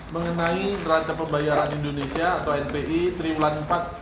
mengenai neraca pembayaran indonesia atau npi triwulan empat dua ribu empat belas